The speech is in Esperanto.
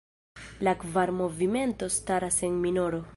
La kvar movimentoj staras en minoro.